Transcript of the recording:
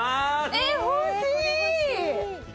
えっ欲しい！